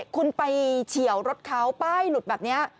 คุณไปเฉียวรถเขาป้ายหลุดแบบนี้